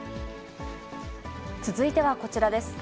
続いてはこちらです。